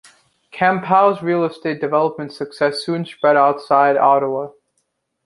Campeau's real estate development success soon spread outside Ottawa.